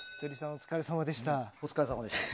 お疲れさまでした。